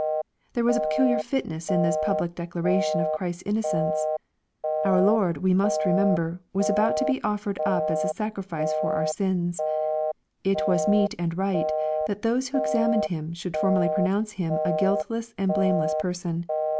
There was a peculiar fitness in this public declaration of Christ's innocence. Our Lord, we must remember, was about to be oiFered up as a sacrifice for our sins. It was meet and right that those who examined Him should formally pronounce Him a guiltless and blameless person.